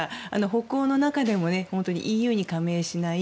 北欧の中でもＥＵに加盟しない